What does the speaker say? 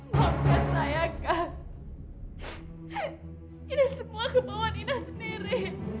maafkan saya kang ini semua kebawaan inah sendiri